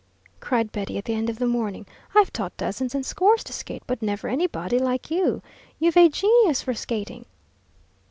cried Betty, at the end of the morning. "I've taught dozens and scores to skate, but never anybody like you. You've a genius for skating."